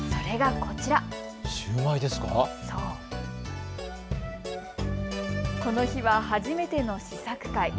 この日は初めての試作会。